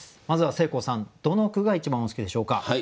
まずはせいこうさんどの句が一番お好きでしょうか？